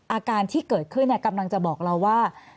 อาการที่เกิดขึ้นกำลังจะบอกเราว่า